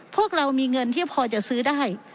พวกเรามีเงินที่พอจะซื้อได้